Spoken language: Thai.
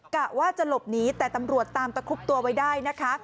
กะว่าจะหลบหนีแต่ตำรวจตามตะคุบตัวไว้ได้นะคะ